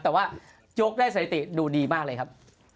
แต่ว่ายกได้สถิติดูดีมากเลยครับ